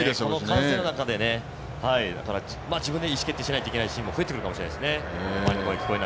歓声の中なので自分で意思決定しないといけないシーンも増えてくるかもしれないですね。